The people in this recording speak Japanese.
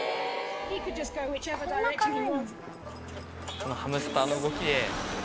このハムスターの動きで。